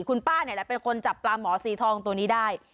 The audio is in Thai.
คุณป้านี่แหละเป็นคนจับปลาหมอสีทองตัวนี้ได้